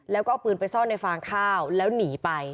แล้วก็เอาปืนไปซ่อนในฟางข้าวแล้วหนีไป